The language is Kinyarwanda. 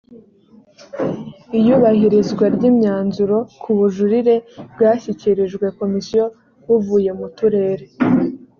iyubahirizwa ry imyanzuro k ubujurire bwashyikirijwe komisiyo buvuye mu turere